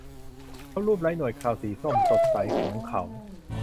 เขาลูบไล้หนวดเคราสีส้มสดใสของเขา